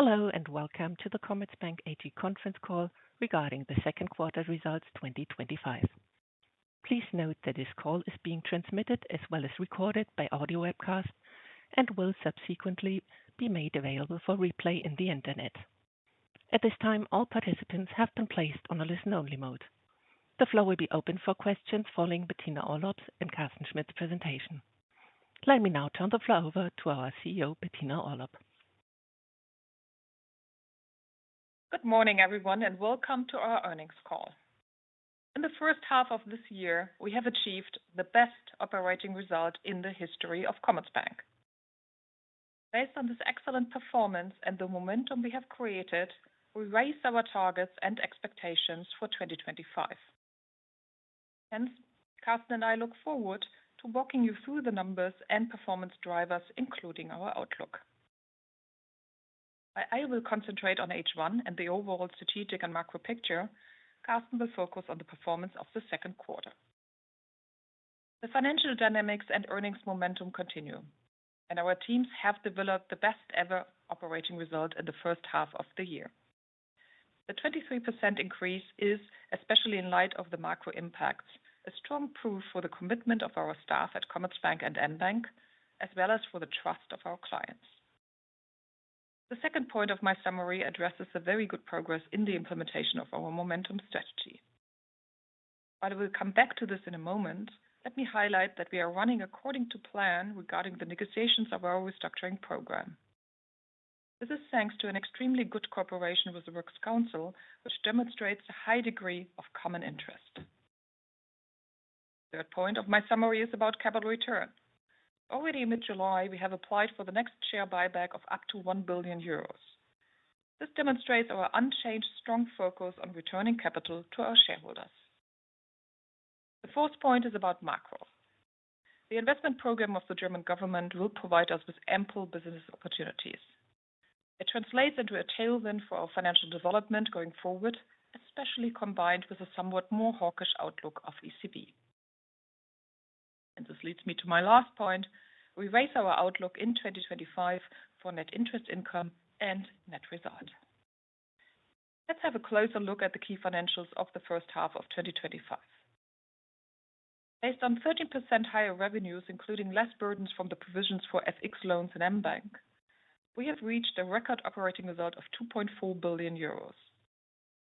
Hello and welcome to the Commerzbank IT conference call regarding the second quarter results 2025. Please note that this call is being transmitted as well as recorded by audio webcast and will subsequently be made available for replay on the internet. At this time, all participants have been placed on a listen-only mode. The floor will be open for questions following Bettina Orlopp's and Carsten Schmitt's presentation. Let me now turn the floor over to our CEO, Bettina Orlopp. Good morning, everyone, and welcome to our earnings call. In the first half of this year, we have achieved the best operating result in the history of Commerzbank. Based on this excellent performance and the momentum we have created, we raised our targets and expectations for 2025. Hence, Carsten and I look forward to walking you through the numbers and performance drivers, including our outlook. I will concentrate on H1 and the overall strategic and macro-picture. Carsten will focus on the performance of the second quarter. The financial dynamics and earnings momentum continue, and our teams have developed the best ever operating result in the first half of the year. The 23% increase is, especially in light of the macro-impacts, a strong proof for the commitment of our staff at Commerzbank and mBank, as well as for the trust of our clients. The second point of my summary addresses the very good progress in the implementation of our momentum strategy. I will come back to this in a moment. Let me highlight that we are running according to plan regarding the negotiations of our restructuring program. This is thanks to an extremely good cooperation with the Works Council, which demonstrates a high degree of common interest. The third point of my summary is about capital return. Already in mid-July, we have applied for the next share buyback of up to 1 billion euros. This demonstrates our unchanged strong focus on returning capital to our shareholders. The fourth point is about macro. The investment program of the German government will provide us with ample business opportunities. It translates into a tailwind for our financial development going forward, especially combined with a somewhat more hawkish outlook of the ECB. This leads me to my last point: we raise our outlook in 2025 for net interest income and net result. Let's have a closer look at the key financials of the first half of 2025. Based on 13% higher revenues, including less burdens from the provisions for FX loans in mBank, we have reached a record operating result of 2.4 billion euros.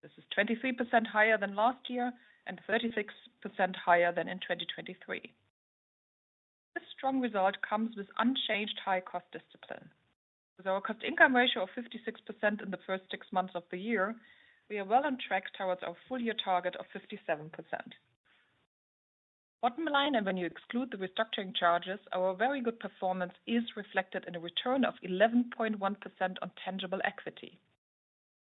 This is 23% higher than last year and 36% higher than in 2023. This strong result comes with unchanged high-cost discipline. With our cost-income ratio of 56% in the first six months of the year, we are well on track towards our full-year target of 57%. Bottom line, and when you exclude the restructuring charges, our very good performance is reflected in a return of 11.1% on tangible equity.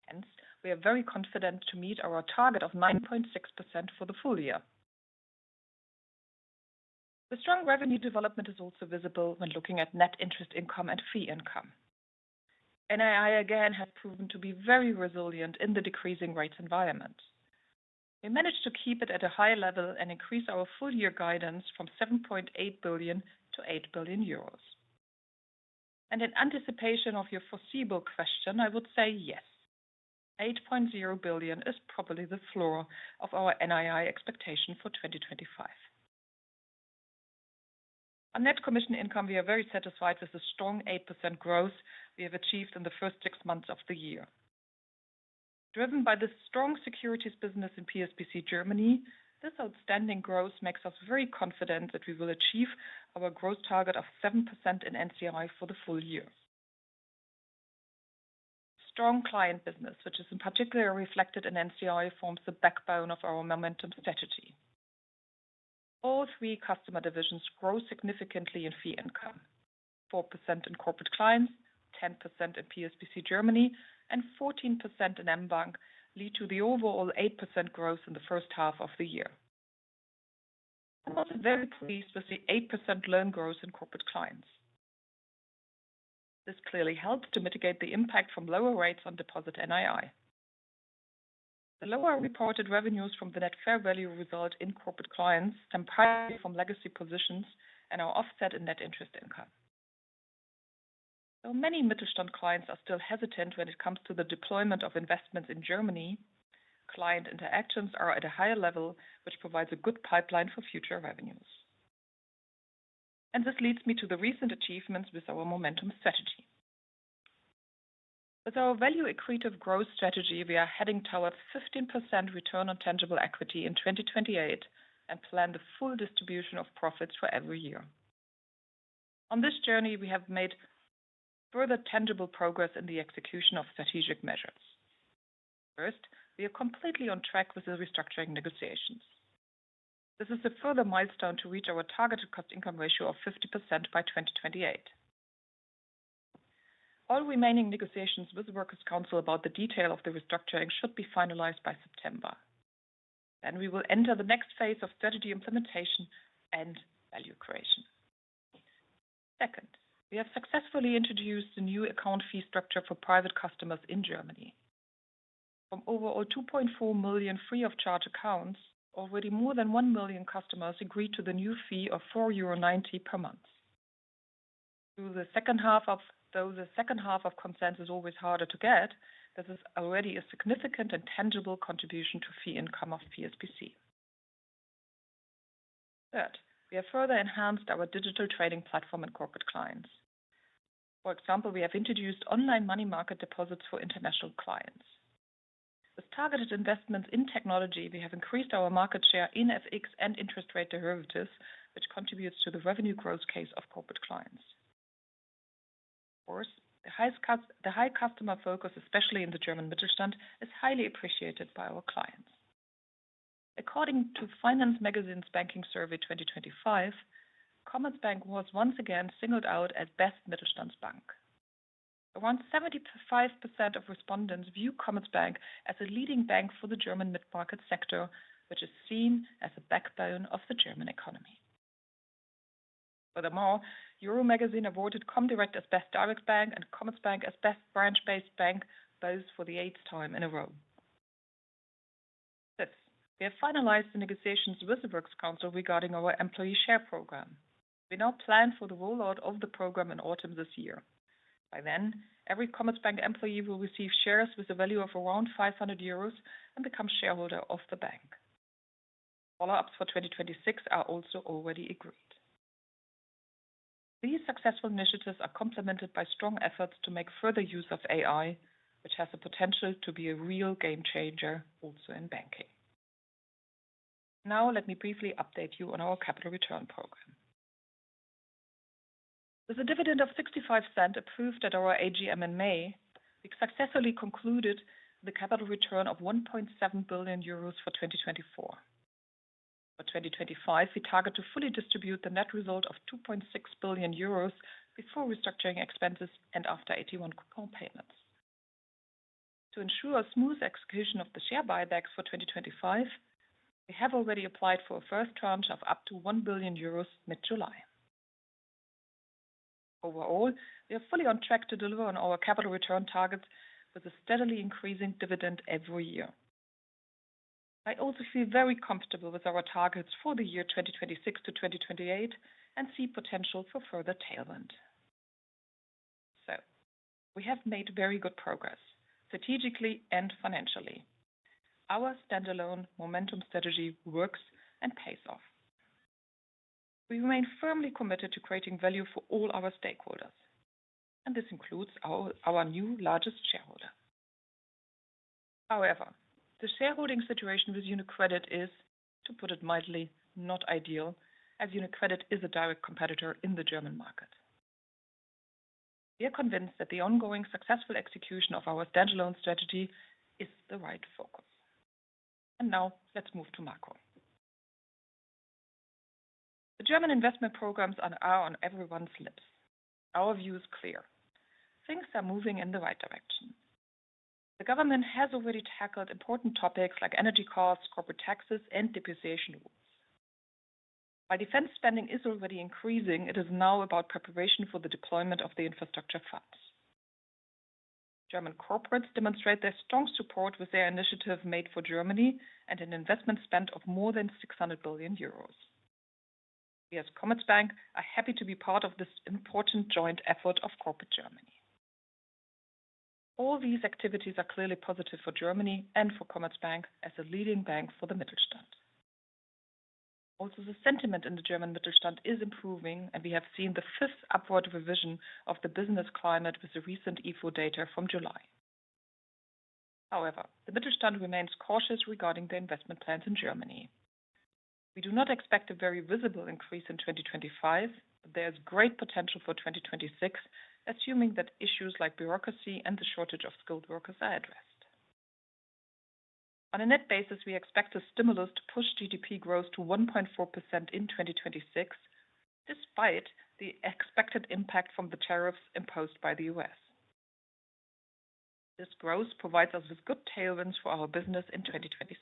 Hence, we are very confident to meet our target of 9.6% for the full year. The strong revenue development is also visible when looking at net interest income and fee income. NII, again, has proven to be very resilient in the decreasing rates environment. We managed to keep it at a high level and increase our full-year guidance from 7.8 billion-8 billion euros. In anticipation of your foreseeable question, I would say yes, 8.0 billion is probably the floor of our NII expectation for 2025. On net commission income, we are very satisfied with the strong 8% growth we have achieved in the first six months of the year. Driven by the strong securities business in PSBC Germany, this outstanding growth makes us very confident that we will achieve our growth target of 7% in NCI for the full year. Strong client business, which is in particular reflected in NCI, forms the backbone of our momentum strategy. All three customer divisions grow significantly in fee income: 4% in Corporate Clients, 10% in PSBC Germany, and 14% in mBank lead to the overall 8% growth in the first half of the year. I'm also very pleased with the 8% loan growth in Corporate Clients. This clearly helps to mitigate the impact from lower rates on deposit NII. The lower reported revenues from the net fair value result in Corporate Clients stem primarily from legacy positions and are offset in net interest income. Though many Mittelstand clients are still hesitant when it comes to the deployment of investments in Germany, client interactions are at a higher level, which provides a good pipeline for future revenues. This leads me to the recent achievements with our momentum strategy. With our value accretive growth strategy, we are heading towards 15% return on tangible equity in 2028 and plan the full distribution of profits for every year. On this journey, we have made further tangible progress in the execution of strategic measures. First, we are completely on track with the restructuring negotiations. This is a further milestone to reach our targeted cost-income ratio of 50% by 2028. All remaining negotiations with the Workers Council about the detail of the restructuring should be finalized by September. We will enter the next phase of strategy implementation and value creation. Second, we have successfully introduced the new account fee structure for private customers in Germany. From overall 2.4 million free-of-charge accounts, already more than 1 million customers agreed to the new fee of 4.90 euro per month. Though the second half of consent is always harder to get, this is already a significant and tangible contribution to fee income of PSBC. Third, we have further enhanced our digital trading platform in Corporate Clients. For example, we have introduced online money market deposits for international clients. With targeted investments in technology, we have increased our market share in FX and interest rate derivatives, which contributes to the revenue growth case of Corporate Clients. Of course, the high customer focus, especially in the German Mittelstand, is highly appreciated by our clients. According to Finance Magazine's Banking Survey 2025, Commerzbank was once again singled out as the best Mittelstandsbank. Around 75% of respondents view Commerzbank as a leading bank for the German mid-market sector, which is seen as the backbone of the German economy. Furthermore, Euromagazine awarded Comdirect as the best direct bank and Commerzbank as the best branch-based bank, both for the eighth time in a row. Third, we have finalized the negotiations with the Works Council regarding our employee share program. We now plan for the rollout of the program in autumn this year. By then, every Commerzbank employee will receive shares with a value of around 500 euros and become a shareholder of the bank. Follow-ups for 2026 are also already agreed. These successful initiatives are complemented by strong efforts to make further use of AI, which has the potential to be a real game changer also in banking. Now, let me briefly update you on our capital return program. With a dividend of 0.65 approved at our AGM in May, we successfully concluded the capital return of 1.7 billion euros for 2024. For 2025, we target to fully distribute the net result of 2.6 billion euros before restructuring expenses and after 81 million core payments. To ensure a smooth execution of the share buybacks for 2025, we have already applied for a first tranche of up to 1 billion euros mid-July. Overall, we are fully on track to deliver on our capital return targets with a steadily increasing dividend every year. I also feel very comfortable with our targets for the year 2026-2028 and see potential for further tailwind. We have made very good progress, strategically and financially. Our standalone momentum strategy works and pays off. We remain firmly committed to creating value for all our stakeholders, and this includes our new largest shareholder. However, the shareholding situation with UniCredit is, to put it mildly, not ideal, as UniCredit is a direct competitor in the German market. We are convinced that the ongoing successful execution of our standalone strategy is the right focus. Now, let's move to macro. The German investment programs are on everyone's lips. Our view is clear. Things are moving in the right direction. The government has already tackled important topics like energy costs, corporate taxes, and depreciation rules. While defense spending is already increasing, it is now about preparation for the deployment of the infrastructure funds. German corporates demonstrate their strong support with their initiative Made for Germany and an investment spend of more than 600 billion euros. We as Commerzbank are happy to be part of this important joint effort of corporate Germany. All these activities are clearly positive for Germany and for Commerzbank as a leading bank for the Mittelstand. Also, the sentiment in the German Mittelstand is improving, and we have seen the fifth upward revision of the business climate with the recent IFO data from July. However, the Mittelstand remains cautious regarding their investment plans in Germany. We do not expect a very visible increase in 2025, but there is great potential for 2026, assuming that issues like bureaucracy and the shortage of skilled workers are addressed. On a net basis, we expect a stimulus to push GDP growth to 1.4% in 2026, despite the expected impact from the tariffs imposed by the U.S. This growth provides us with good tailwinds for our business in 2026.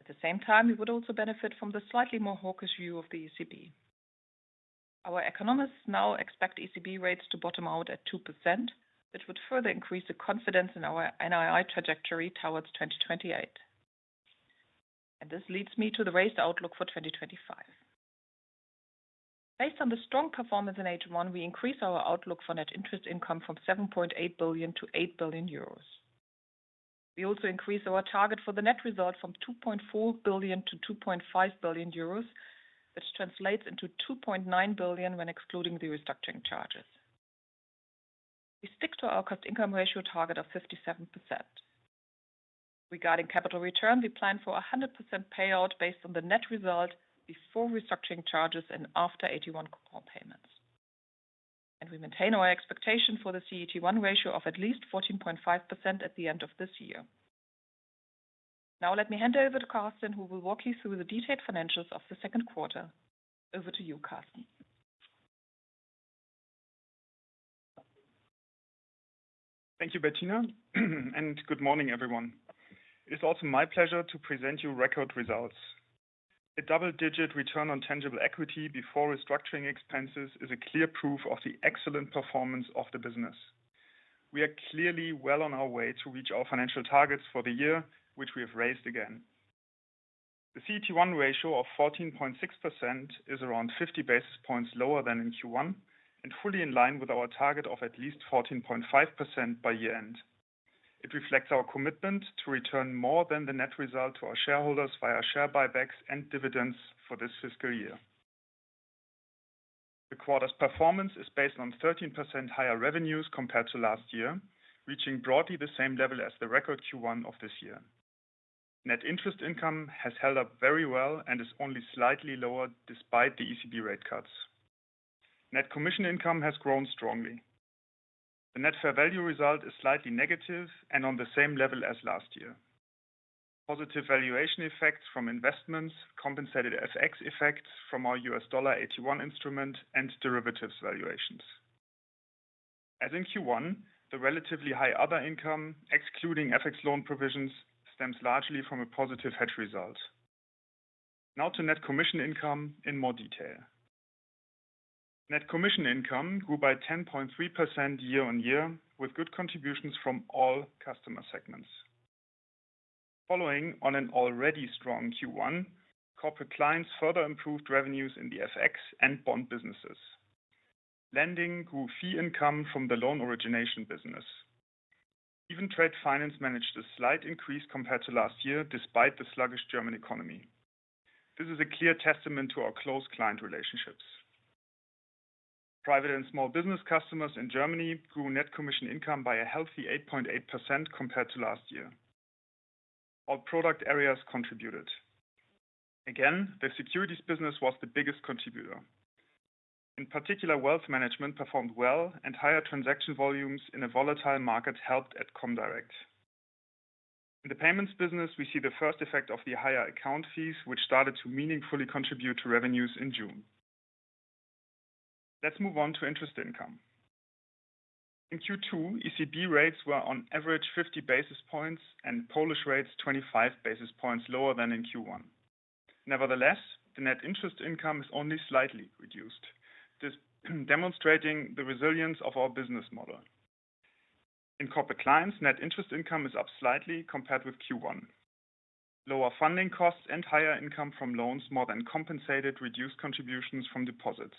At the same time, we would also benefit from the slightly more hawkish view of the ECB. Our economists now expect ECB rates to bottom out at 2%, which would further increase the confidence in our NII trajectory towards 2028. This leads me to the raised outlook for 2025. Based on the strong performance in H1, we increase our outlook for net interest income from 7.8 billion-8 billion euros. We also increase our target for the net result from 2.4 billion-2.5 billion euros, which translates into 2.9 billion when excluding the restructuring charges. We stick to our cost-income ratio target of 57%. Regarding capital return, we plan for a 100% payout based on the net result before restructuring charges and after 81 core payments. We maintain our expectation for the CET1 ratio of at least 14.5% at the end of this year. Now, let me hand over to Carsten, who will walk you through the detailed financials of the second quarter. Over to you, Carsten. Thank you, Bettina, and good morning, everyone. It is also my pleasure to present you record results. A double-digit return on tangible equity before restructuring expenses is a clear proof of the excellent performance of the business. We are clearly well on our way to reach our financial targets for the year, which we have raised again. The CET1 ratio of 14.6% is around 50 basis points lower than in Q1, and fully in line with our target of at least 14.5% by year-end. It reflects our commitment to return more than the net result to our shareholders via share buybacks and dividends for this fiscal year. The quarter's performance is based on 13% higher revenues compared to last year, reaching broadly the same level as the record Q1 of this year. Net interest income has held up very well and is only slightly lower despite the ECB rate cuts. Net commission income has grown strongly. The net fair value result is slightly negative and on the same level as last year. Positive valuation effects from investments, compensated FX effects from our U.S. dollar 81 instrument, and derivatives valuations. As in Q1, the relatively high other income, excluding FX loan provisions, stems largely from a positive hedge result. Now to net commission income in more detail. Net commission income grew by 10.3% year-on-year, with good contributions from all customer segments. Following on an already strong Q1, Corporate Clients further improved revenues in the FX and bond businesses. Lending grew fee income from the loan origination business. Even trade finance managed a slight increase compared to last year, despite the sluggish German economy. This is a clear testament to our close client relationships. Private and Small-Business Customers in Germany grew net commission income by a healthy 8.8% compared to last year. All product areas contributed. Again, the securities business was the biggest contributor. In particular, wealth management performed well, and higher transaction volumes in a volatile market helped at Comdirect. In the payments business, we see the first effect of the higher account fees, which started to meaningfully contribute to revenues in June. Let's move on to interest income. In Q2, ECB rates were on average 50 basis points, and Polish rates 25 basis points lower than in Q1. Nevertheless, the net interest income is only slightly reduced, demonstrating the resilience of our business model. In Corporate Clients, net interest income is up slightly compared with Q1. Lower funding costs and higher income from loans more than compensated reduced contributions from deposits.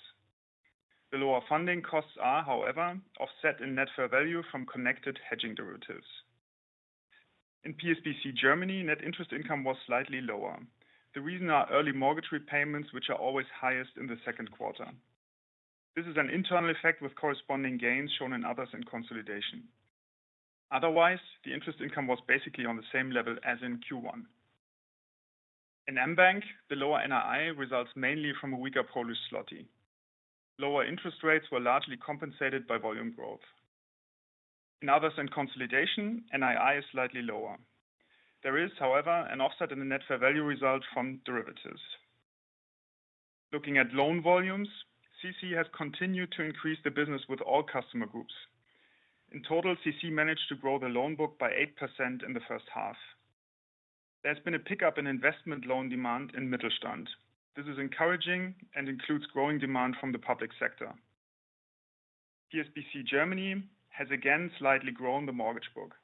The lower funding costs are, however, offset in net fair value from connected hedging derivatives. In PSBC Germany, net interest income was slightly lower. The reason are early mortgage repayments, which are always highest in the second quarter. This is an internal effect with corresponding gains shown in Others in Consolidation. Otherwise, the interest income was basically on the same level as in Q1. In mBank, the lower NII results mainly from a weaker Polish zloty. Lower interest rates were largely compensated by volume growth. In Others in Consolidation, NII is slightly lower. There is, however, an offset in the net fair value result from derivatives. Looking at loan volumes, CC has continued to increase the business with all customer groups. In total, CC managed to grow the loan book by 8% in the first half. There has been a pickup in investment loan demand in Mittelstand. This is encouraging and includes growing demand from the public sector. PSBC Germany has again slightly grown the mortgage book.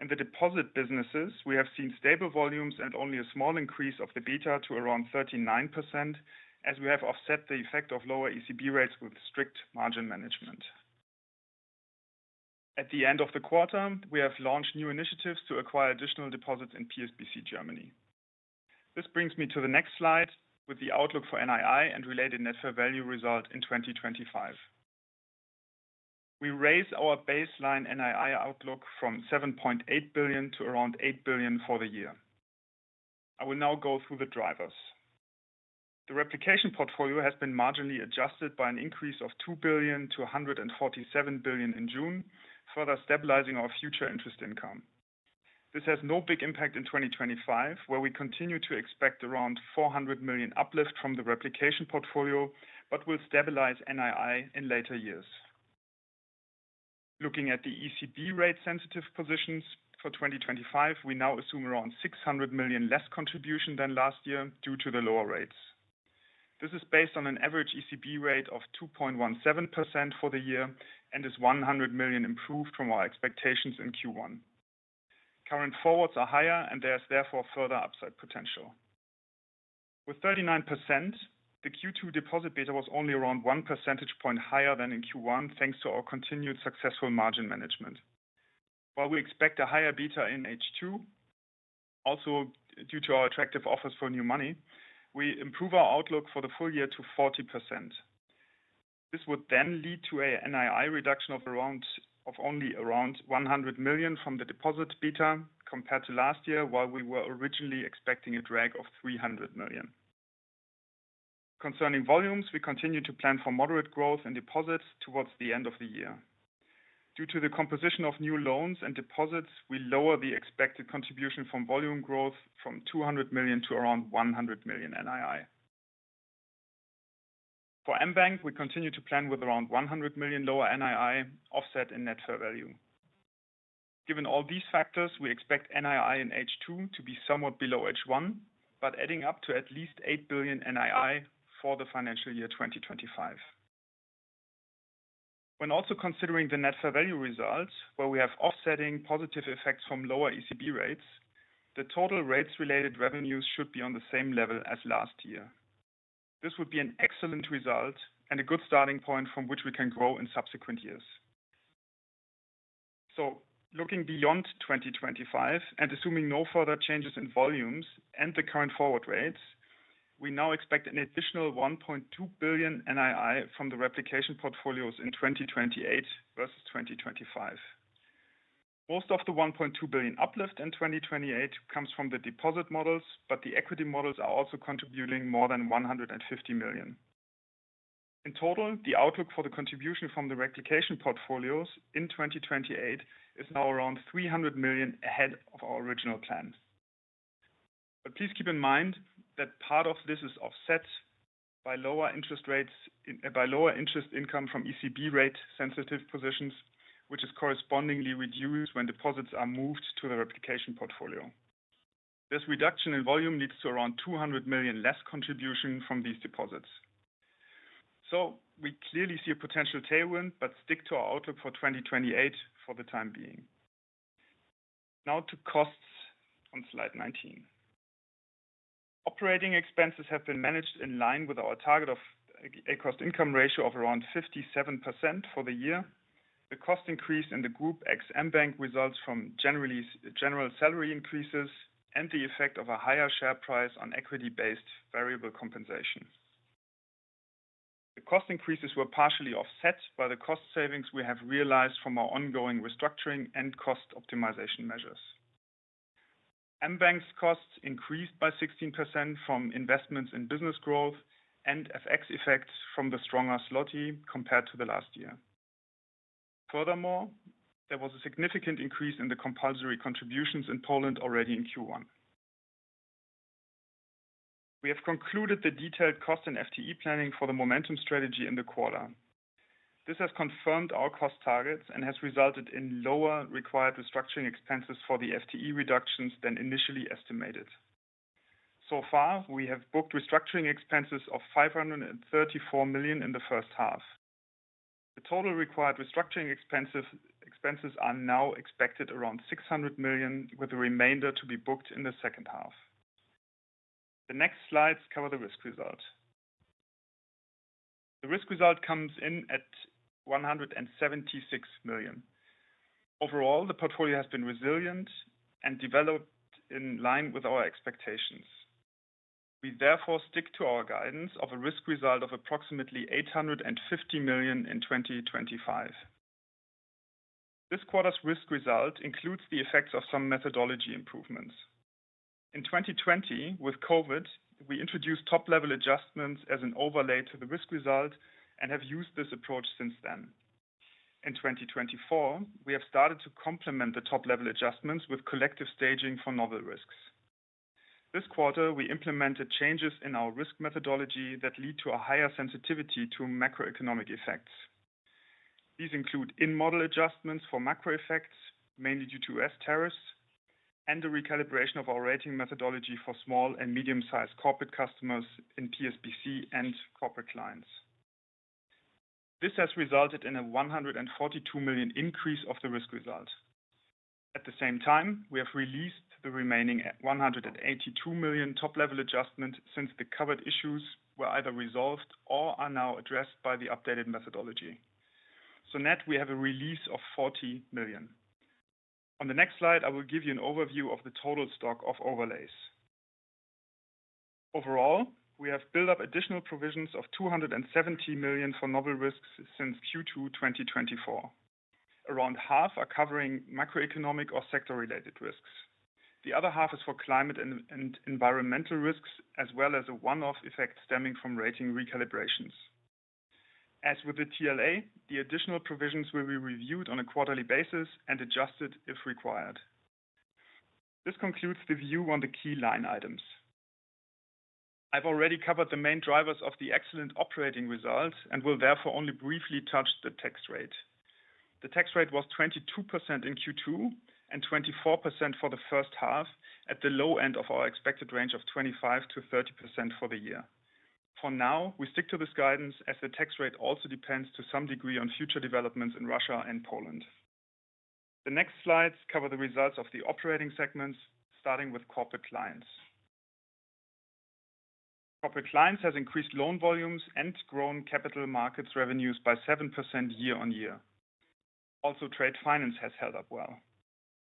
In the deposit businesses, we have seen stable volumes and only a small increase of the beta to around 39%, as we have offset the effect of lower ECB rates with strict margin management. At the end of the quarter, we have launched new initiatives to acquire additional deposits in PSBC Germany. This brings me to the next slide with the outlook for NII and related net fair value result in 2025. We raised our baseline NII outlook from 7.8 billion to around 8 billion for the year. I will now go through the drivers. The replication portfolio has been marginally adjusted by an increase of 2 billion-147 billion in June, further stabilizing our future interest income. This has no big impact in 2025, where we continue to expect around 400 million uplift from the replication portfolio, but will stabilize NII in later years. Looking at the ECB rate-sensitive positions for 2025, we now assume around 600 million less contribution than last year due to the lower rates. This is based on an average ECB rate of 2.17% for the year and is 100 million improved from our expectations in Q1. Current forwards are higher, and there is therefore further upside potential. With 39%, the Q2 deposit beta was only around one percentage point higher than in Q1, thanks to our continued successful margin management. While we expect a higher beta in H2, also due to our attractive offers for new money, we improve our outlook for the full year to 40%. This would then lead to an NII reduction of only around 100 million from the deposit beta compared to last year, while we were originally expecting a drag of 300 million. Concerning volumes, we continue to plan for moderate growth in deposits towards the end of the year. Due to the composition of new loans and deposits, we lower the expected contribution from volume growth from 200 million to around 100 million NII. For mBank, we continue to plan with around 100 million lower NII offset in net fair value. Given all these factors, we expect NII in H2 to be somewhat below H1, but adding up to at least 8 billion NII for the financial year 2025. When also considering the net fair value results, where we have offsetting positive effects from lower ECB rates, the total rates-related revenues should be on the same level as last year. This would be an excellent result and a good starting point from which we can grow in subsequent years. Looking beyond 2025 and assuming no further changes in volumes and the current forward rates, we now expect an additional 1.2 billion NII from the replication portfolios in 2028 versus 2025. Most of the 1.2 billion uplift in 2028 comes from the deposit models, but the equity models are also contributing more than 150 million. In total, the outlook for the contribution from the replication portfolios in 2028 is now around 300 million ahead of our original plans. Please keep in mind that part of this is offset by lower interest income from ECB rate-sensitive positions, which is correspondingly reduced when deposits are moved to the replication portfolio. This reduction in volume leads to around 200 million less contribution from these deposits. We clearly see a potential tailwind, but stick to our outlook for 2028 for the time being. Now to costs on slide 19. Operating expenses have been managed in line with our target of a cost-income ratio of around 57% for the year. The cost increase in the group ex mBank results from general salary increases and the effect of a higher share price on equity-based variable compensation. The cost increases were partially offset by the cost savings we have realized from our ongoing restructuring and cost optimization measures. mBank's costs increased by 16% from investments in business growth and FX effects from the stronger zloty compared to the last year. Furthermore, there was a significant increase in the compulsory contributions in Poland already in Q1. We have concluded the detailed cost and FTE planning for the Momentum strategy in the quarter. This has confirmed our cost targets and has resulted in lower required restructuring expenses for the FTE reductions than initially estimated. So far, we have booked restructuring expenses of 534 million in the first half. The total required restructuring expenses are now expected around 600 million, with the remainder to be booked in the second half. The next slides cover the risk result. The risk result comes in at 176 million. Overall, the portfolio has been resilient and developed in line with our expectations. We therefore stick to our guidance of a risk result of approximately 850 million in 2025. This quarter's risk result includes the effects of some methodology improvements. In 2020, with COVID, we introduced top-level adjustments as an overlay to the risk result and have used this approach since then. In 2024, we have started to complement the top-level adjustments with collective staging for novel risks. This quarter, we implemented changes in our risk methodology that lead to a higher sensitivity to macroeconomic effects. These include in-model adjustments for macro effects, mainly due to U.S. tariffs, and the recalibration of our rating methodology for small and medium-sized corporate customers in Private and Small-Business Customers (PSBC) and Corporate Clients. This has resulted in a 142 million increase of the risk result. At the same time, we have released the remaining 182 million top-level adjustments since the covered issues were either resolved or are now addressed by the updated methodology. Net, we have a release of 40 million. On the next slide, I will give you an overview of the total stock of overlays. Overall, we have built up additional provisions of 270 million for novel risks since Q2 2024. Around half are covering macroeconomic or sector-related risks. The other half is for climate and environmental risks, as well as a one-off effect stemming from rating recalibrations. As with the TLA, the additional provisions will be reviewed on a quarterly basis and adjusted if required. This concludes the view on the key line items. I've already covered the main drivers of the excellent operating result and will therefore only briefly touch the tax rate. The tax rate was 22% in Q2 and 24% for the first half at the low end of our expected range of 25%-30% for the year. For now, we stick to this guidance as the tax rate also depends to some degree on future developments in Russia and Poland. The next slides cover the results of the operating segments, starting with Corporate Clients. Corporate Clients have increased loan volumes and grown capital markets revenues by 7% year-on-year. Also, trade finance has held up well.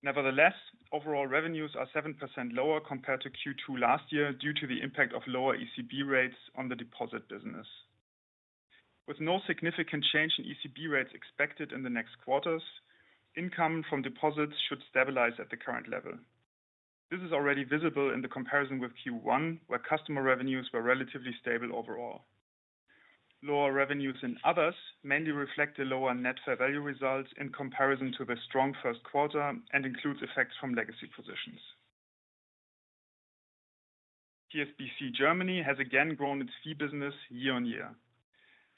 Nevertheless, overall revenues are 7% lower compared to Q2 last year due to the impact of lower ECB rates on the deposit business. With no significant change in ECB rates expected in the next quarters, income from deposits should stabilize at the current level. This is already visible in the comparison with Q1, where customer revenues were relatively stable overall. Lower revenues in others mainly reflect the lower net fair value results in comparison to the strong first quarter and include effects from legacy positions. Private and Small-Business Customers (PSBC) Germany has again grown its fee business year-on-year.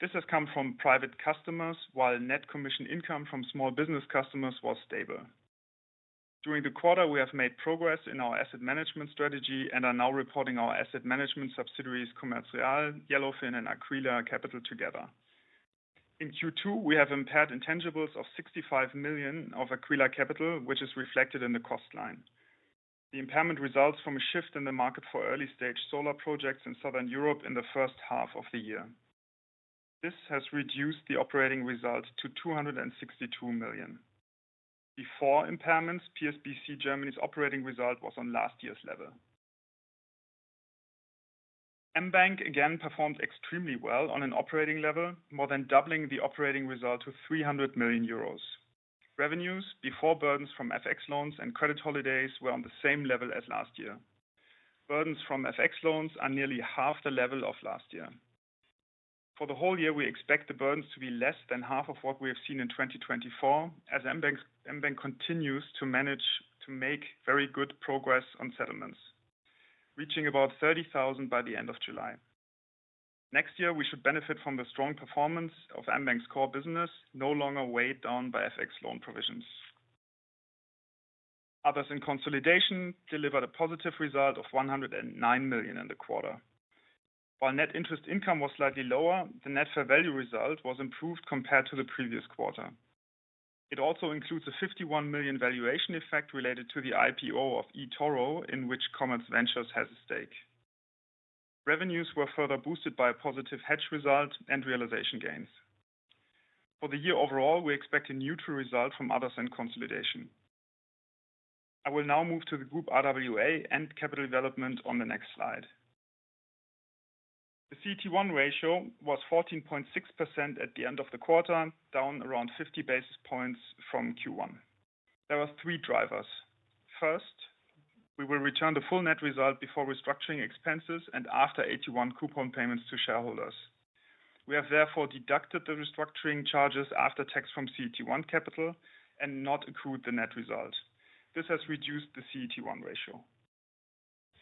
This has come from private customers, while net commission income from small business customers was stable. During the quarter, we have made progress in our asset management strategy and are now reporting our asset management subsidiaries Commerzbank, Yellowfin, and Aquila Capital together. In Q2, we have impaired intangibles of 65 million of Aquila Capital, which is reflected in the cost line. The impairment results from a shift in the market for early-stage solar projects in Southern Europe in the first half of the year. This has reduced the operating result to 262 million. Before impairments, PSBC Germany's operating result was on last year's level. mBank again performed extremely well on an operating level, more than doubling the operating result to 300 million euros. Revenues before burdens from FX loans and credit holidays were on the same level as last year. Burdens from FX loans are nearly half the level of last year. For the whole year, we expect the burdens to be less than half of what we have seen in 2024, as mBank continues to manage to make very good progress on settlements, reaching about 30,000 by the end of July. Next year, we should benefit from the strong performance of mBank's core business, no longer weighed down by FX loan provisions. Others in consolidation delivered a positive result of 109 million in the quarter. While net interest income was slightly lower, the net fair value result was improved compared to the previous quarter. It also includes a 51 million valuation effect related to the IPO of eToro, in which CommerzVentures has a stake. Revenues were further boosted by a positive hedge result and realization gains. For the year overall, we expect a neutral result from others in consolidation. I will now move to the group RWA and capital development on the next slide. The CET1 ratio was 14.6% at the end of the quarter, down around 50 basis points from Q1. There are three drivers. First, we will return the full net result before restructuring expenses and after AT1 coupon payments to shareholders. We have therefore deducted the restructuring charges after tax from CET1 capital and not accrued the net result. This has reduced the CET1 ratio.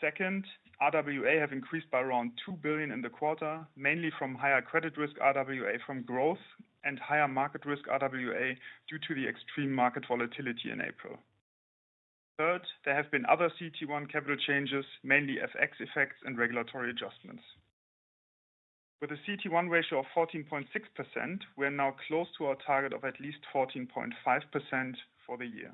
Second, RWA have increased by around 2 billion in the quarter, mainly from higher credit risk RWA from growth and higher market risk RWA due to the extreme market volatility in April. Third, there have been other CET1 capital changes, mainly FX effects and regulatory adjustments. With a CET1 ratio of 14.6%, we are now close to our target of at least 14.5% for the year.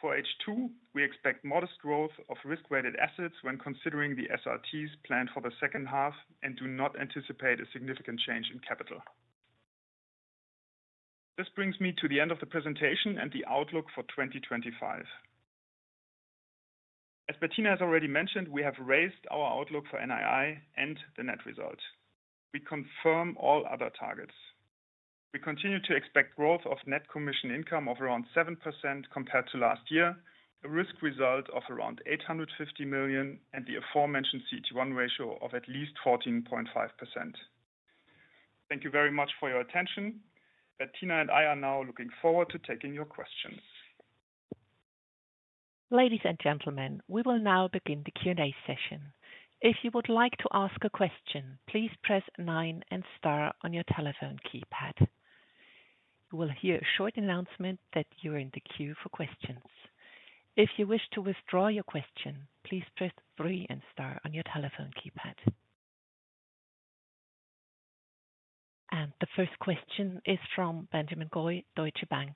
For H2, we expect modest growth of risk-weighted assets when considering the SRTs planned for the second half and do not anticipate a significant change in capital. This brings me to the end of the presentation and the outlook for 2025. As Bettina has already mentioned, we have raised our outlook for NII and the net result. We confirm all other targets. We continue to expect growth of net commission income of around 7% compared to last year, a risk result of around 850 million, and the aforementioned CET1 ratio of at least 14.5%. Thank you very much for your attention. Bettina and I are now looking forward to taking your questions. Ladies and gentlemen, we will now begin the Q&A session. If you would like to ask a question, please press nine and star on your telephone keypad. You will hear a short announcement that you are in the queue for questions. If you wish to withdraw your question, please press three and star on your telephone keypad. The first question is from Benjamin Goy, Deutsche Bank.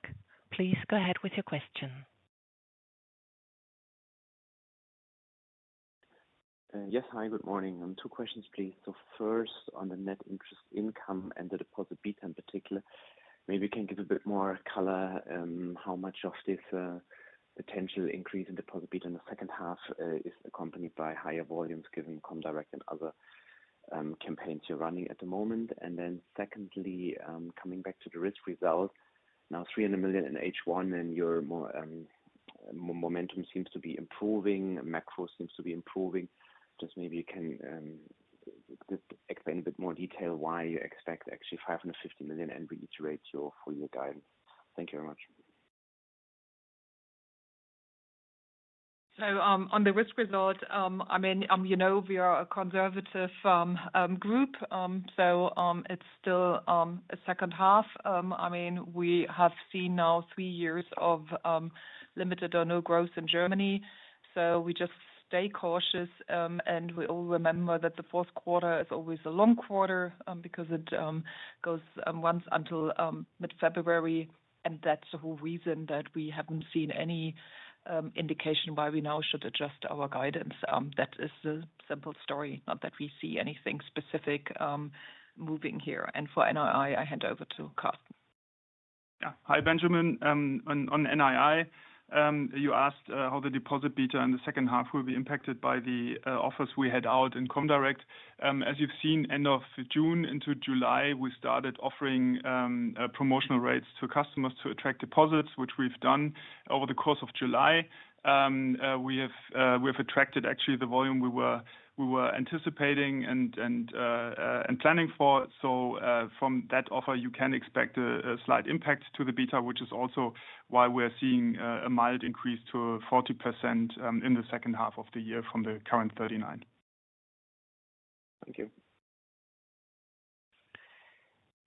Please go ahead with your question. Yes, hi, good morning. Two questions, please. First, on the net interest income and the deposit beta in particular, maybe you can give a bit more color on how much of this potential increase in deposit beta in the second half is accompanied by higher volumes given Comdirect and other campaigns you're running at the moment. Secondly, coming back to the risk result, now 300 million in H1, and your momentum seems to be improving, macro seems to be improving. Maybe you can explain in a bit more detail why you expect actually 550 million and reiterate your full-year guidance. Thank you very much. On the risk result, I mean, you know, we are a conservative group, so it's still a second half. I mean, we have seen now three years of limited or no growth in Germany. We just stay cautious, and we all remember that the fourth quarter is always a long quarter because it goes once until mid-February, and that's the whole reason that we haven't seen any indication why we now should adjust our guidance. That is the simple story, not that we see anything specific moving here. For NII, I hand over to Carsten. Yeah, hi Benjamin. On NII, you asked how the deposit beta in the second half will be impacted by the offers we had out in Comdirect. As you've seen, end of June into July, we started offering promotional rates to customers to attract deposits, which we've done over the course of July. We have attracted actually the volume we were anticipating and planning for. From that offer, you can expect a slight impact to the beta, which is also why we're seeing a mild increase to 40% in the second half of the year from the current 39%. Thank you.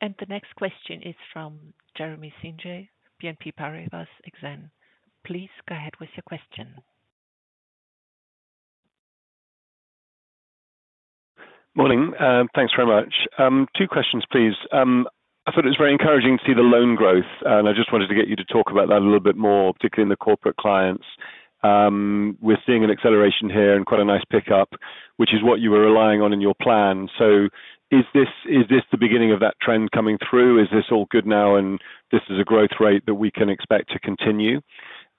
The next question is from Jeremy Sigee, BNP Paribas Exane. Please go ahead with your question. Morning. Thanks very much. Two questions, please. I thought it was very encouraging to see the loan growth, and I just wanted to get you to talk about that a little bit more, particularly in the Corporate Clients. We're seeing an acceleration here and quite a nice pickup, which is what you were relying on in your plan. Is this the beginning of that trend coming through? Is this all good now, and is this a growth rate that we can expect to continue?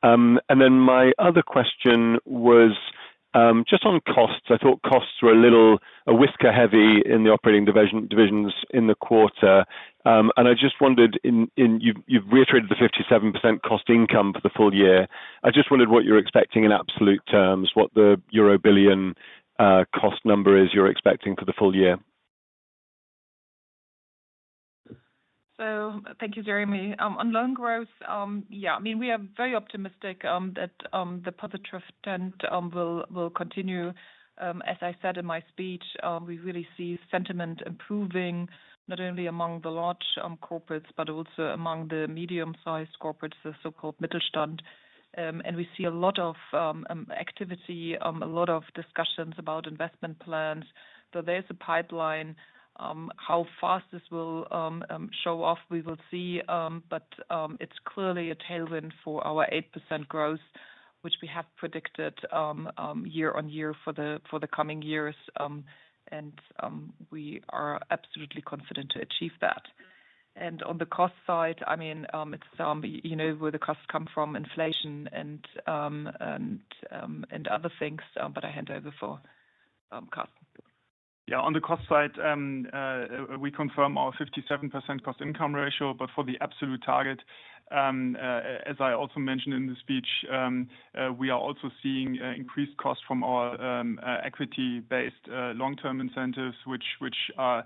My other question was just on costs. I thought costs were a little whisker-heavy in the operating divisions in the quarter. I just wondered, you've reiterated the 57% cost-income for the full year. I just wondered what you're expecting in absolute terms, what the euro billion cost number is you're expecting for the full year. Thank you, Jeremy. On loan growth, yeah, I mean, we are very optimistic that the positive trend will continue. As I said in my speech, we really see sentiment improving not only among the large corporates, but also among the medium-sized corporates, the so-called Mittelstand. We see a lot of activity, a lot of discussions about investment plans. There's a pipeline. How fast this will show off, we will see, but it's clearly a tailwind for our 8% growth, which we have predicted year on year for the coming years. We are absolutely confident to achieve that. On the cost side, I mean, it's, you know, where the costs come from, inflation and other things, but I hand over for Carsten. Yeah, on the cost side, we confirm our 57% cost-income ratio, but for the absolute target, as I also mentioned in the speech, we are also seeing increased costs from our equity-based long-term incentives, which are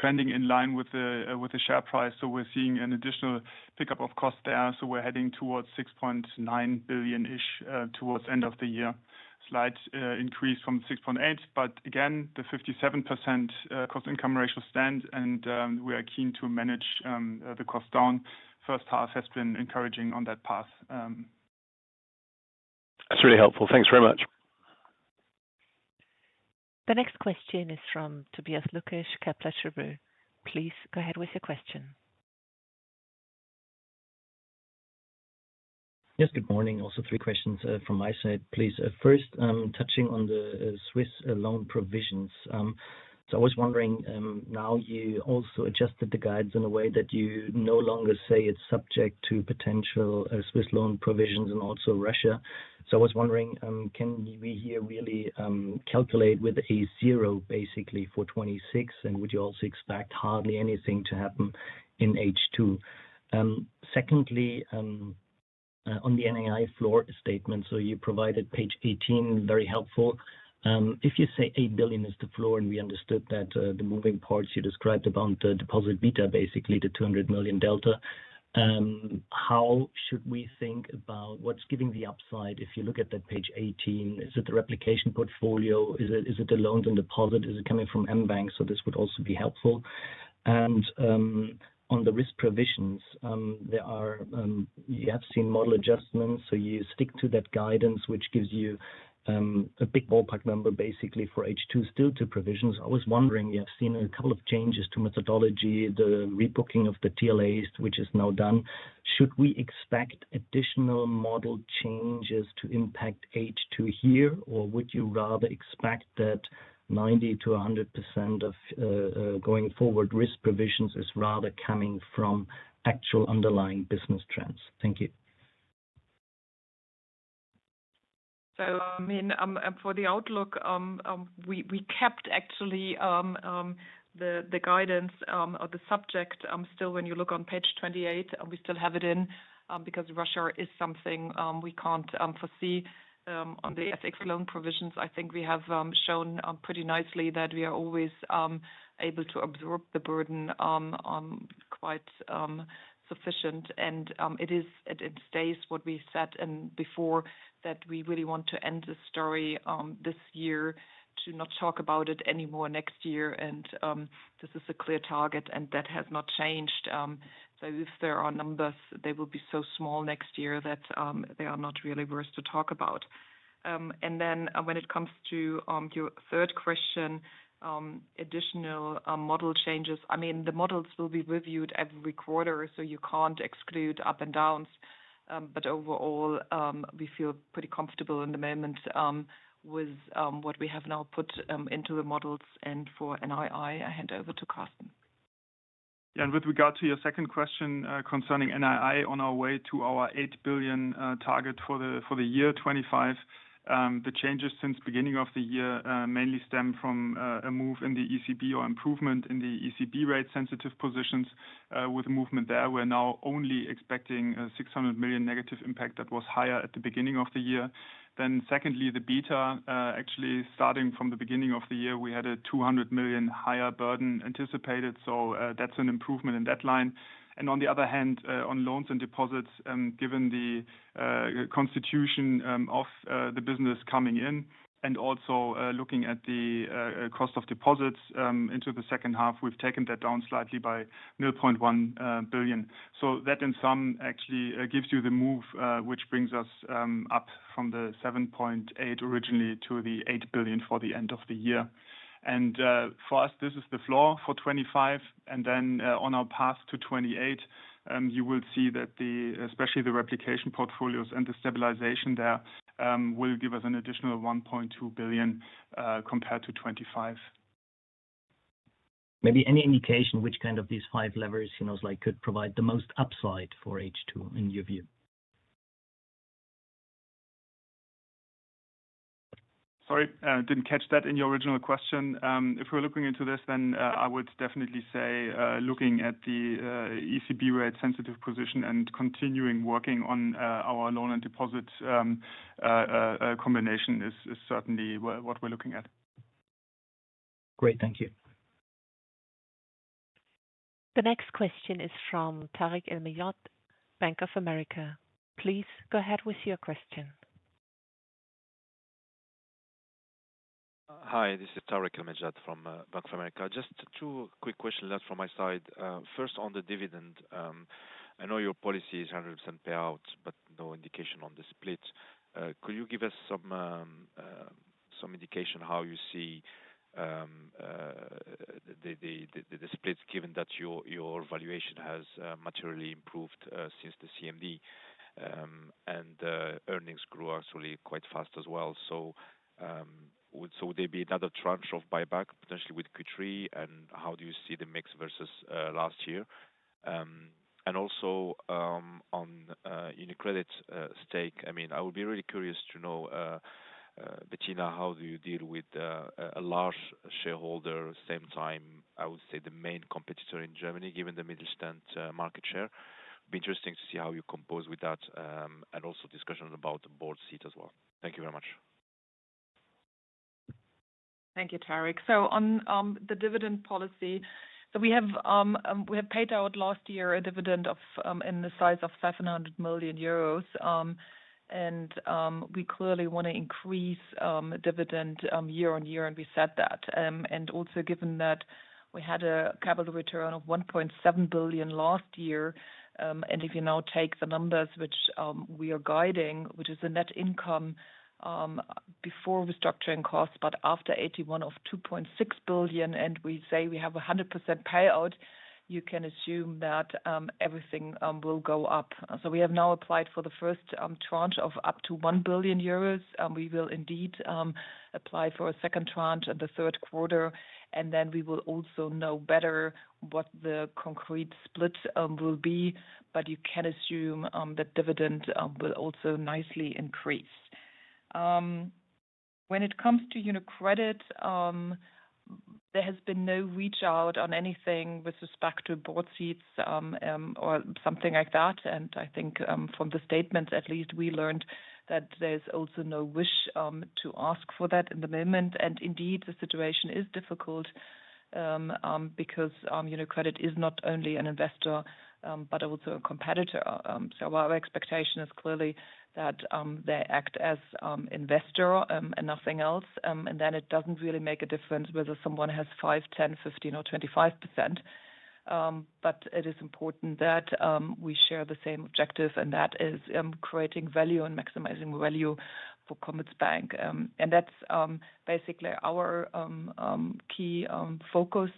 trending in line with the share price. We're seeing an additional pickup of cost there. We're heading towards 6.9 billion-ish towards the end of the year, a slight increase from 6.8 billion, but again, the 57% cost-income ratio stands, and we are keen to manage the cost down. First half has been encouraging on that path. That's really helpful. Thanks very much. The next question is from Tobias Lukesch, Kepler Cheuvreux. Please go ahead with your question. Yes, good morning. Also, three questions from my side, please. First, touching on the Swiss loan provisions, I was wondering, now you also adjusted the guidance in a way that you no longer say it's subject to potential Swiss loan provisions and also Russia. I was wondering, can we here really calculate with a zero basically for 2026, and would you also expect hardly anything to happen in H2? Secondly, on the NII floor statement, you provided page 18, very helpful. If you say 8 billion is the floor, and we understood that the moving parts you described about the deposit beta, basically the 200 million delta, how should we think about what's giving the upside? If you look at that page 18, is it the replication portfolios? Is it the loans and deposits? Is it coming from mBank? This would also be helpful. On the risk provisions, you have seen model adjustments, so you stick to that guidance, which gives you a big ballpark number basically for H2 still to provisions. I was wondering, you have seen a couple of changes to methodology, the rebooking of the TLAs, which is now done. Should we expect additional model changes to impact H2 here, or would you rather expect that 90%-100% of going forward risk provisions is rather coming from actual underlying business trends? Thank you. For the outlook, we kept actually the guidance or the subject still when you look on page 28, and we still have it in because Russia is something we can't foresee. On the FX loan provisions, I think we have shown pretty nicely that we are always able to absorb the burden quite sufficiently, and it stays what we said before that we really want to end this story this year to not talk about it anymore next year. This is a clear target, and that has not changed. If there are numbers, they will be so small next year that they are not really worth to talk about. When it comes to your third question, additional model changes, the models will be reviewed every quarter, so you can't exclude up and downs. Overall, we feel pretty comfortable in the moment with what we have now put into the models. For NII, I hand over to Carsten. Yeah, and with regard to your second question concerning NII, on our way to our 8 billion target for the year 2025, the changes since the beginning of the year mainly stem from a move in the ECB or improvement in the ECB rate-sensitive positions. With the movement there, we're now only expecting a 600 million negative impact that was higher at the beginning of the year. Secondly, the beta actually starting from the beginning of the year, we had a 200 million higher burden anticipated. That's an improvement in that line. On the other hand, on loans and deposits, given the constitution of the business coming in, and also looking at the cost of deposits into the second half, we've taken that down slightly by 0.1 billion. That in sum actually gives you the move, which brings us up from the 7.8 billion originally to the 8 billion for the end of the year. For us, this is the floor for 2025. On our path to 2028, you will see that especially the replication portfolios and the stabilization there will give us an additional 1.2 billion compared to 2025. Maybe any indication which kind of these five levers could provide the most upside for H2 in your view? Sorry, I didn't catch that in your original question. If we're looking into this, I would definitely say looking at the ECB rate-sensitive position and continuing working on our loan and deposit combination is certainly what we're looking at. Great, thank you. The next question is from Tarik El Mejjad, Bank of America. Please go ahead with your question. Hi, this is Tarik El Mejjad from Bank of America. Just two quick questions left from my side. First, on the dividend, I know your policy is 100% payout, but no indication on the split. Could you give us some indication how you see the split, given that your valuation has materially improved since the CMD and earnings grew actually quite fast as well? Would there be another tranche of buyback potentially with Q3? How do you see the mix versus last year? Also, on the credit stake, I would be really curious to know, Bettina, how do you deal with a large shareholder, at the same time, I would say the main competitor in Germany, given the Mittelstand market share? It'd be interesting to see how you compose with that and also discussion about the board seat as well. Thank you very much. Thank you, Tarik. On the dividend policy, we have paid out last year a dividend in the size of 700 million euros. We clearly want to increase dividend year on year, and we said that. Also, given that we had a capital return of 1.7 billion last year, and if you now take the numbers which we are guiding, which is the net income before restructuring costs, but after AT1 of 2.6 billion, and we say we have a 100% payout, you can assume that everything will go up. We have now applied for the first tranche of up to 1 billion euros. We will indeed apply for a second tranche in the third quarter, and then we will also know better what the concrete split will be, but you can assume that dividend will also nicely increase. When it comes to UniCredit, there has been no reach out on anything with respect to board seats or something like that. I think from the statements, at least we learned that there's also no wish to ask for that in the moment. The situation is difficult because UniCredit is not only an investor, but also a competitor. Our expectation is clearly that they act as an investor and nothing else. It doesn't really make a difference whether someone has 5%, 10%, 15%, or 25%. It is important that we share the same objective, and that is creating value and maximizing value for Commerzbank. That's basically our key focus.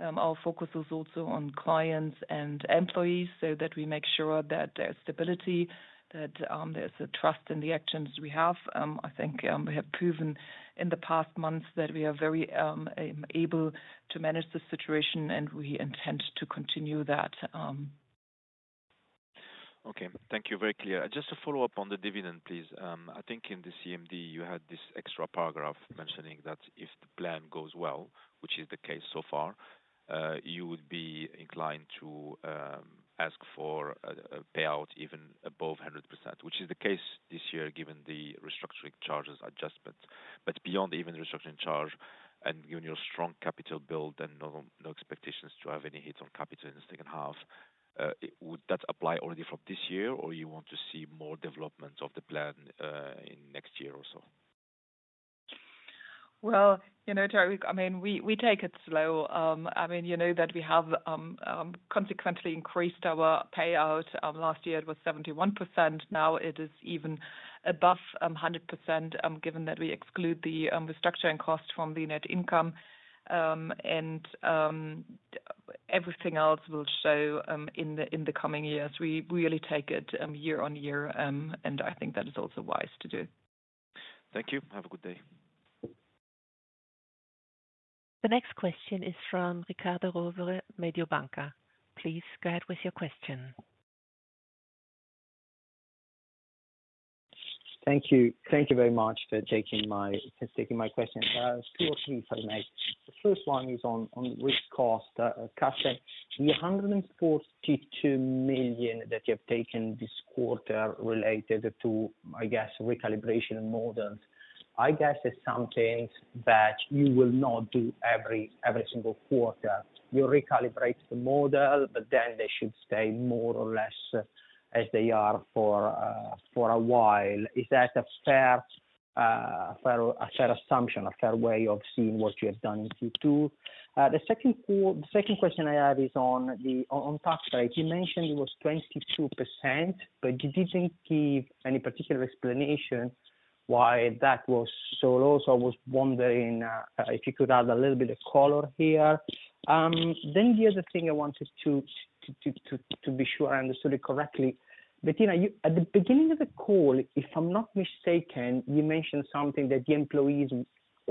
Our focus is also on clients and employees so that we make sure that there's stability, that there's a trust in the actions we have. I think we have proven in the past months that we are very able to manage the situation, and we intend to continue that. Okay, thank you. Very clear. Just to follow up on the dividend, please. I think in the CMD, you had this extra paragraph mentioning that if the plan goes well, which is the case so far, you would be inclined to ask for a payout even above 100%, which is the case this year given the restructuring charges adjustment. Beyond even restructuring charge, and given your strong capital build and no expectations to have any hit on capital in the second half, would that apply already from this year, or you want to see more development of the plan in the next year or so? You know, I mean, we take it slow. You know that we have consequently increased our payout. Last year, it was 71%. Now it is even above 100% given that we exclude the restructuring costs from the net income. Everything else will show in the coming years. We really take it year on year, and I think that is also wise to do. Thank you. Have a good day. The next question is from Riccardo Rovere at Mediobanca. Please go ahead with your question. Thank you. Thank you very much for taking my question. Two or three, if I may. The first one is on risk cost. Carsten, the 142 million that you have taken this quarter related to, I guess, recalibration and models, I guess is something that you will not do every single quarter. You'll recalibrate the model, but then they should stay more or less as they are for a while. Is that a fair assumption, a fair way of seeing what you have done in Q2? The second question I have is on the tax rate. You mentioned it was 22%, but you didn't give any particular explanation why that was so low. I was wondering if you could add a little bit of color here. The other thing I wanted to be sure I understood correctly, Bettina, at the beginning of the call, if I'm not mistaken, you mentioned something that the employees,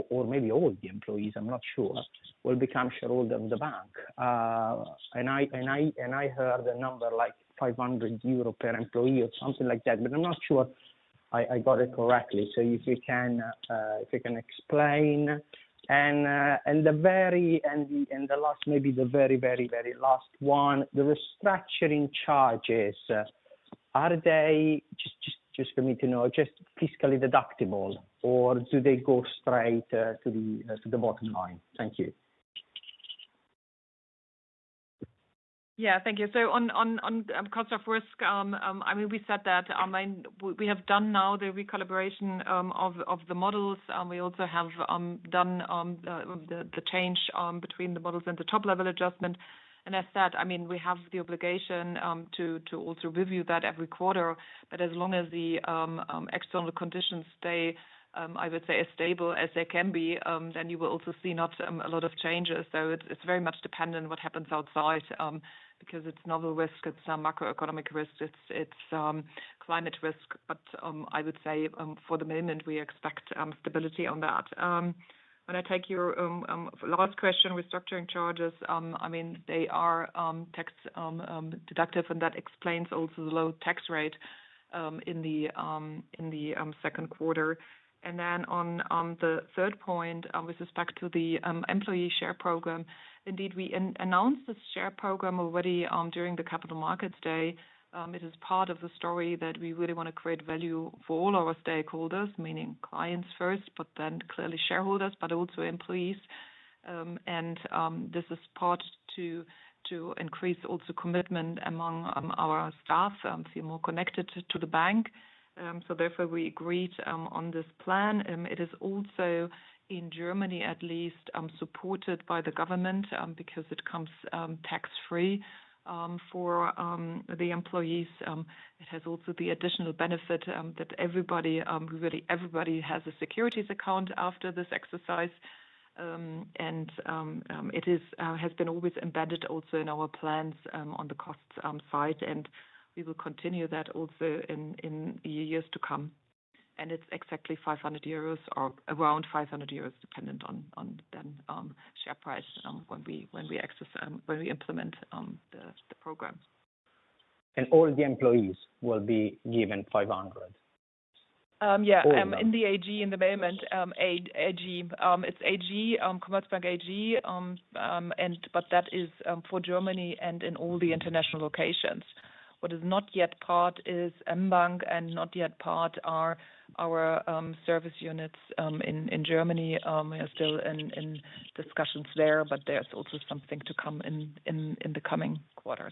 or maybe all the employees, I'm not sure, will become shareholders of the bank. I heard a number like 500 euro per employee or something like that, but I'm not sure I got it correctly. If you can explain. The last, maybe the very, very last one, the restructuring charges, are they, just for me to know, just fiscally deductible, or do they go straight to the bottom line? Thank you. Yeah, thank you. On cost of risk, we said that we have done now the recalibration of the models. We also have done the change between the models and the top-level adjustment. As said, we have the obligation to also review that every quarter. As long as the external conditions stay, I would say, as stable as they can be, you will also see not a lot of changes. It is very much dependent on what happens outside because it's novel risk, it's macroeconomic risk, it's climate risk. I would say for the moment, we expect stability on that. When I take your last question, restructuring charges, they are tax deductive, and that explains also the low tax rate in the second quarter. On the third point, with respect to the employee share program, indeed, we announced this share program already during the Capital Markets Day. It is part of the story that we really want to create value for all our stakeholders, meaning clients first, but then clearly shareholders, but also employees. This is part to increase also commitment among our staff, feel more connected to the bank. Therefore, we agreed on this plan. It is also in Germany at least supported by the government because it comes tax-free for the employees. It has also the additional benefit that everybody, really everybody, has a securities account after this exercise. It has been always embedded also in our plans on the cost side, and we will continue that also in the years to come. It's exactly 500 euros or around 500 euros, depending on the share price when we implement the program. Will all the employees be given 500? Yeah, in the AG in the moment, it's AG, Commerzbank AG, but that is for Germany and in all the international locations. What is not yet part is mBank, and not yet part are our service units in Germany. We are still in discussions there, but there's also something to come in the coming quarters.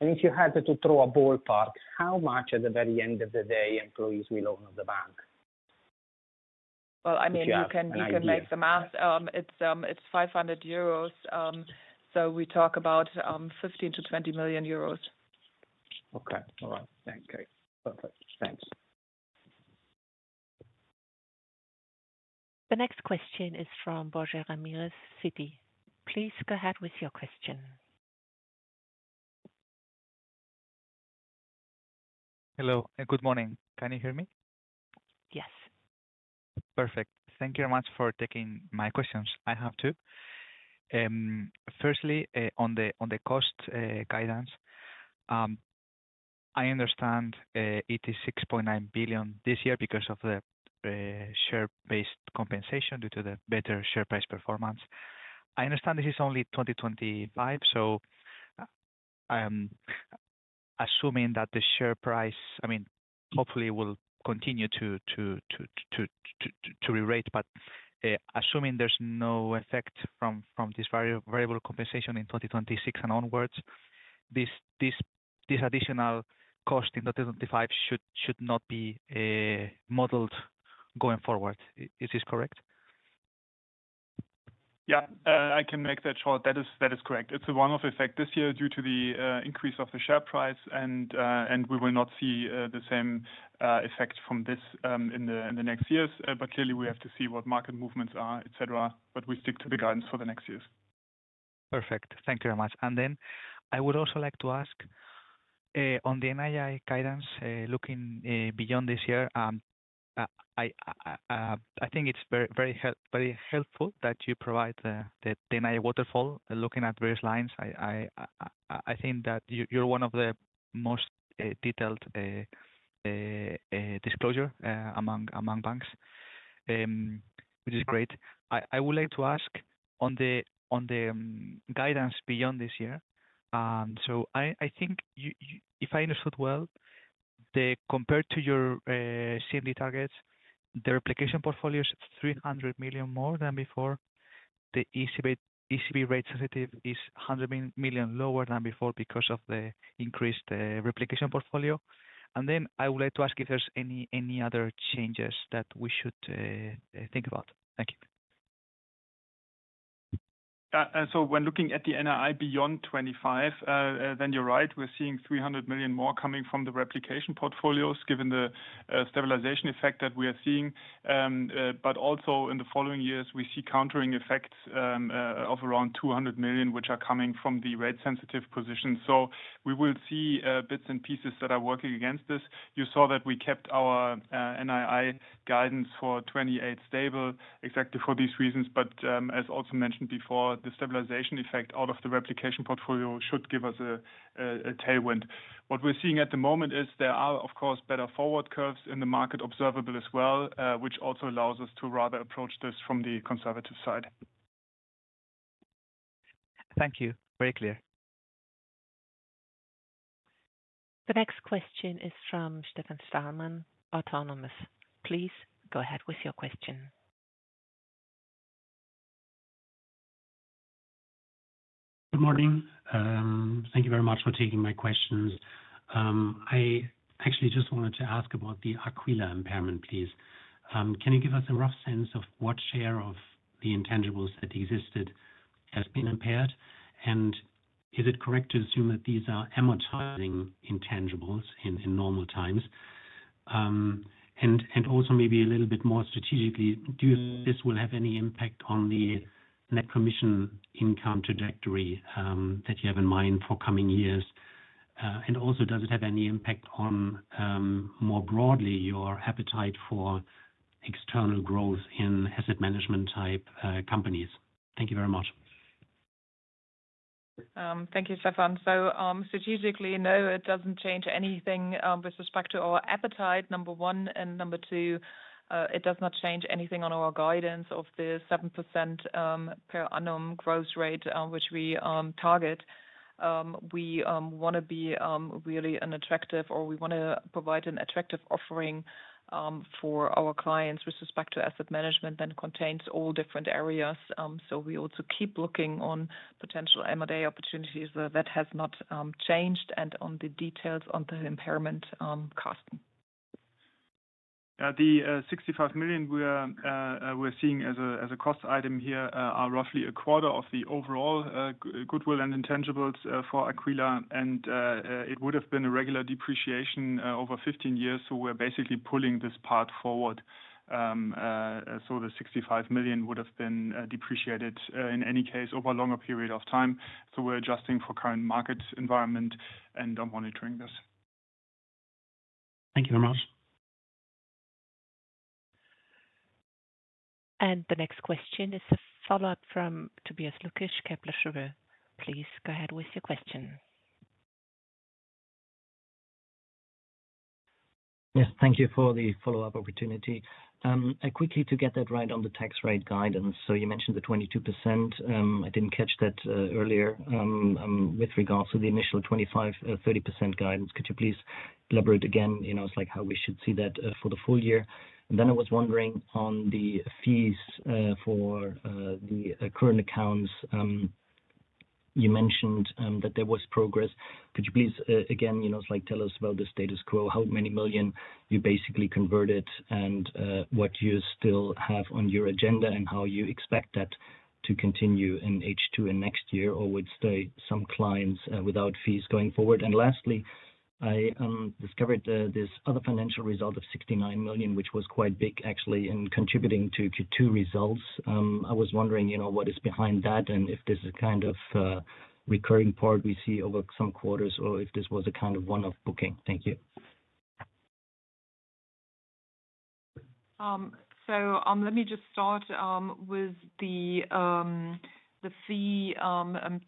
If you had to throw a ballpark, how much at the very end of the day will employees own the bank? You can make the math. It's 500 euros. We talk about 15 million-20 million euros. Okay, all right. Thanks, Kate. Perfect. Thanks. The next question is from Borja Ramirez, Citi. Please go ahead with your question. Hello, good morning. Can you hear me? Yes. Perfect. Thank you very much for taking my questions. I have two. Firstly, on the cost guidance, I understand it is 6.9 billion this year because of the share-based compensation due to the better share-based performance. I understand this is only 2025, so assuming that the share price, I mean, hopefully will continue to re-rate, but assuming there's no effect from this variable compensation in 2026 and onwards, this additional cost in 2025 should not be modeled going forward. Is this correct? Yeah, I can make that short. That is correct. It's a one-off effect this year due to the increase of the share price, and we will not see the same effect from this in the next years. Clearly, we have to see what market movements are, etc., but we stick to the guidance for the next years. Perfect. Thank you very much. I would also like to ask, on the NII guidance, looking beyond this year, I think it's very helpful that you provide the NII waterfall looking at various lines. I think that you're one of the most detailed disclosures among banks, which is great. I would like to ask on the guidance beyond this year. I think, if I understood well, compared to your CMD targets, the replication portfolio is 300 million more than before. The ECB rate sensitive is 100 million lower than before because of the increased replication portfolio. I would like to ask if there's any other changes that we should think about. Thank you. When looking at the NII beyond 2025, you're right. We're seeing $300 million more coming from the replication portfolios given the stabilization effect that we are seeing. Also, in the following years, we see countering effects of around $200 million, which are coming from the rate-sensitive positions. We will see bits and pieces that are working against this. You saw that we kept our NII guidance for 2028 stable, exactly for these reasons. As also mentioned before, the stabilization effect out of the replication portfolio should give us a tailwind. What we're seeing at the moment is there are, of course, better forward curves in the market observable as well, which also allows us to rather approach this from the conservative side. Thank you very clear. The next question is from Stefan Stalmann, Autonomous. Please go ahead with your question. Good morning. Thank you very much for taking my questions. I actually just wanted to ask about the Aquila impairment, please. Can you give us a rough sense of what share of the intangibles that existed has been impaired? Is it correct to assume that these are amortizing intangibles in normal times? Also, maybe a little bit more strategically, do you think this will have any impact on the net commission income trajectory that you have in mind for coming years? Does it have any impact on more broadly your appetite for external growth in asset management type companies? Thank you very much. Thank you, Stefan. Strategically, no, it doesn't change anything with respect to our appetite, number one. Number two, it does not change anything on our guidance of the 7% per annum growth rate, which we target. We want to be really an attractive, or we want to provide an attractive offering for our clients with respect to asset management that contains all different areas. We also keep looking on potential M&A opportunities that have not changed and on the details on the impairment cost. The $65 million we're seeing as a cost item here are roughly a quarter of the overall goodwill and intangibles for Aquila. It would have been a regular depreciation over 15 years. We're basically pulling this part forward. The $65 million would have been depreciated in any case over a longer period of time. We're adjusting for the current market environment and monitoring this. Thank you very much. The next question is a follow-up from Tobias Lukesch, Kepler Cheuvreux. Please go ahead with your question. Yes, thank you for the follow-up opportunity. Quickly, to get that right on the tax rate guidance. You mentioned the 22%. I didn't catch that earlier with regards to the initial 25%-30% guidance. Could you please elaborate again? It's like how we should see that for the full year? I was wondering on the fees for the current accounts. You mentioned that there was progress. Could you please again tell us about the status quo, how many million you basically converted and what you still have on your agenda and how you expect that to continue in H2 in next year or with some clients without fees going forward? Lastly, I discovered this other financial result of 69 million, which was quite big actually in contributing to Q2 results. I was wondering what is behind that and if this is a kind of recurring part we see over some quarters or if this was a kind of one-off booking. Thank you. Let me just start with the fee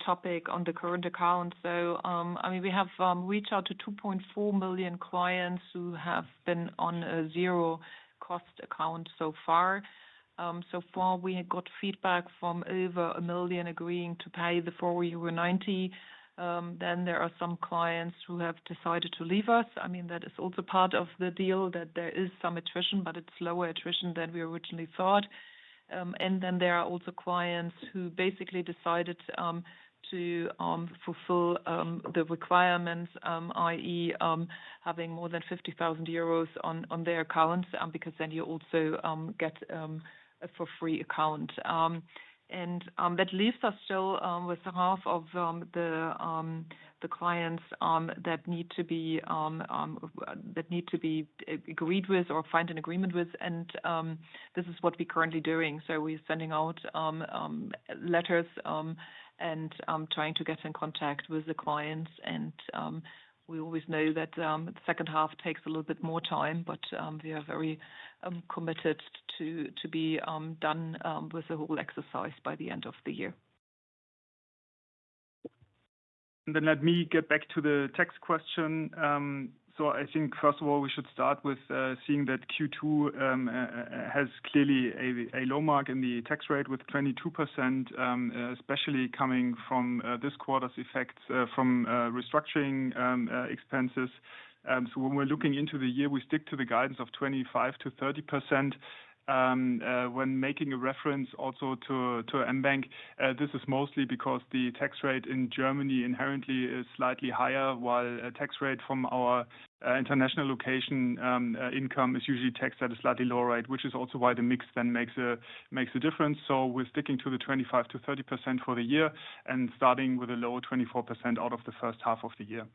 topic on the current account. We have reached out to 2.4 million clients who have been on a zero-cost account so far. We got feedback from over a million agreeing to pay the 4.90 euro. There are some clients who have decided to leave us. That is also part of the deal, that there is some attrition, but it's lower attrition than we originally thought. There are also clients who basically decided to fulfill the requirements, i.e., having more than 50,000 euros on their accounts, because then you also get a for-free account. That leaves us still with half of the clients that need to be agreed with or find an agreement with. This is what we're currently doing. We're sending out letters and trying to get in contact with the clients. We always know that the second half takes a little bit more time, but we are very committed to be done with the whole exercise by the end of the year. Let me get back to the tax question. I think first of all, we should start with seeing that Q2 has clearly a low mark in the tax rate with 22%, especially coming from this quarter's effects from restructuring expenses. When we're looking into the year, we stick to the guidance of 25%-30%. When making a reference also to mBank, this is mostly because the tax rate in Germany inherently is slightly higher, while a tax rate from our international location income is usually taxed at a slightly lower rate, which is also why the mix then makes a difference. We're sticking to the 25%-30% for the year and starting with a low 24% out of the first half of the year.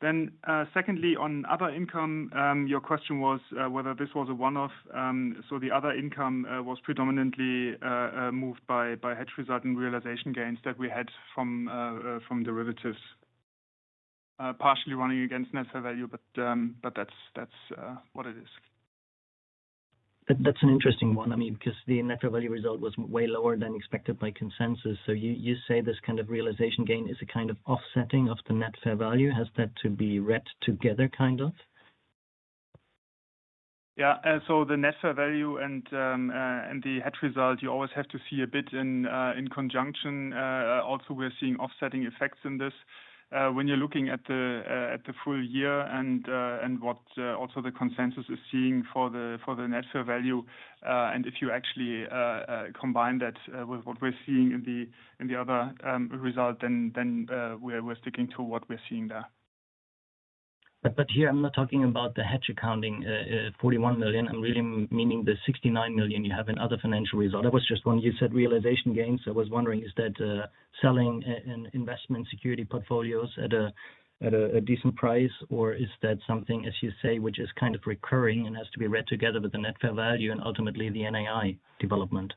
Secondly, on other income, your question was whether this was a one-off. The other income was predominantly moved by hedge result and realization gains that we had from derivatives, partially running against net fair value, but that's what it is. That's an interesting one. I mean, because the net fair value result was way lower than expected by consensus. You say this kind of realization gain is a kind of offsetting of the net fair value. Has that to be read together kind of? Yeah, the net fair value and the hedge result, you always have to see a bit in conjunction. Also, we're seeing offsetting effects in this when you're looking at the full year and what the consensus is seeing for the net fair value. If you actually combine that with what we're seeing in the other result, we're sticking to what we're seeing there. Here, I'm not talking about the hedge accounting $41 million. I'm really meaning the $69 million you have in other financial results. I was just wondering, you said realization gains. I was wondering, is that selling an investment security portfolio at a decent price, or is that something, as you say, which is kind of recurring and has to be read together with the net fair value and ultimately the NII development?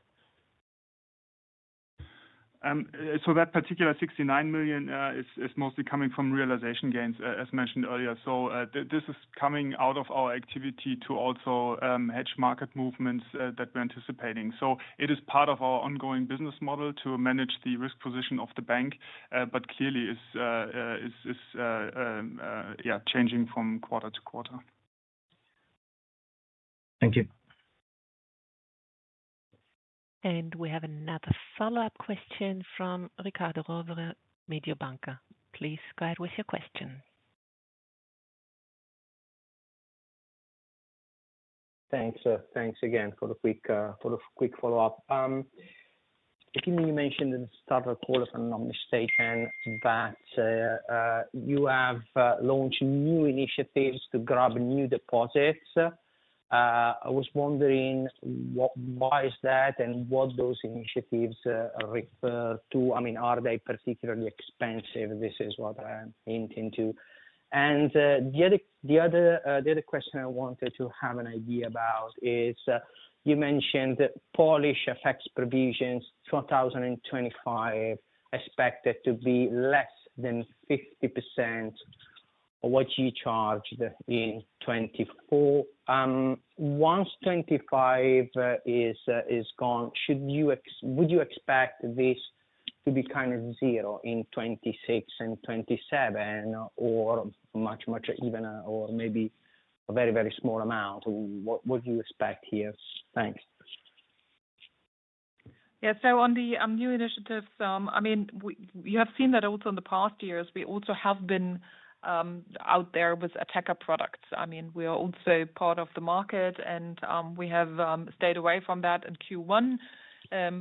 That particular $69 million is mostly coming from realization gains, as mentioned earlier. This is coming out of our activity to also hedge market movements that we're anticipating. It is part of our ongoing business model to manage the risk position of the bank, but clearly is changing from quarter to quarter. Thank you. We have another follow-up question from Riccardo Rovere, Mediobanca. Please go ahead with your question. Thanks. Thanks again for the quick follow-up. At the beginning, you mentioned in the start of the call, if I'm not mistaken, that you have launched new initiatives to grab new deposits. I was wondering, why is that and what those initiatives refer to? I mean, are they particularly expensive? This is what I'm hinting to. The other question I wanted to have an idea about is you mentioned Polish FX provisions 2025 expected to be less than 50% of what you charged in 2024. Once 2025 is gone, would you expect this to be kind of zero in 2026 and 2027, or much, much even, or maybe a very, very small amount? What do you expect here? Thanks. Yeah, on the new initiatives, you have seen that also in the past years, we also have been out there with a tech product. We are also part of the market and we have stayed away from that in Q1. At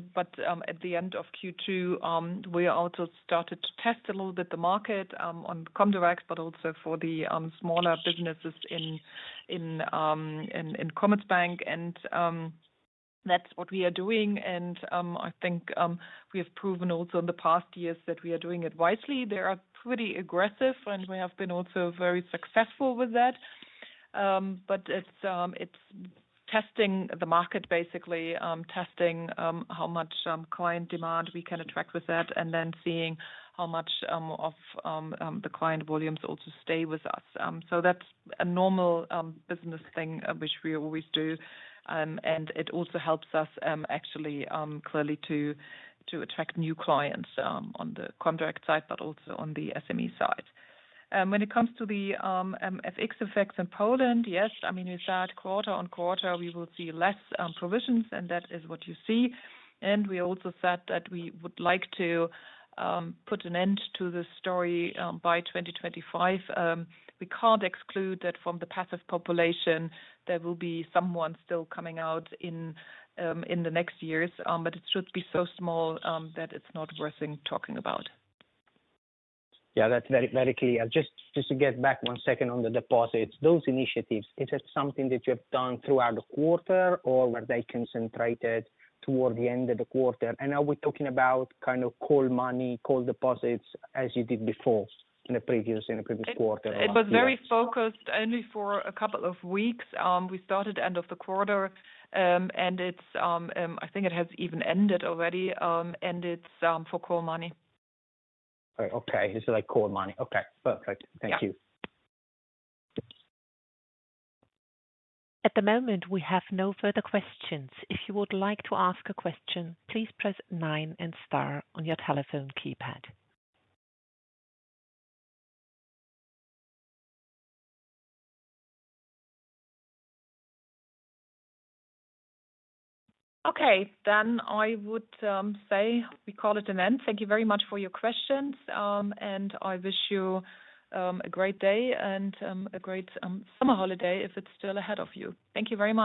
the end of Q2, we also started to test a little bit the market on Comdirect, but also for the smaller businesses in Commerzbank. That's what we are doing. I think we have proven also in the past years that we are doing it wisely. They are pretty aggressive and we have been also very successful with that. It's testing the market, basically testing how much client demand we can attract with that and then seeing how much of the client volumes also stay with us. That's a normal business thing which we always do. It also helps us actually clearly to attract new clients on the Comdirect side, but also on the SME side. When it comes to the FX effects in Poland, yes, we said quarter on quarter we will see less provisions and that is what you see. We also said that we would like to put an end to this story by 2025. We can't exclude that from the passive population there will be someone still coming out in the next years, but it should be so small that it's not worth talking about. Yeah, that's very clear. Just to get back one second on the deposits, those initiatives, is that something that you have done throughout the quarter, or were they concentrated toward the end of the quarter? Are we talking about kind of cold money, cold deposits as you did before in the previous quarter? It was very focused only for a couple of weeks. We started end of the quarter, and I think it has even ended already. It's for cold money. Okay, it's like cold money. Okay, perfect. Thank you. At the moment, we have no further questions. If you would like to ask a question, please press nine and star on your telephone keypad. Okay, I would say we call it an end. Thank you very much for your questions, and I wish you a great day and a great summer holiday if it's still ahead of you. Thank you very much.